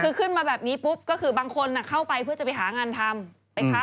คือขึ้นมาแบบนี้ปุ๊บก็คือบางคนเข้าไปเพื่อจะไปหางานทำ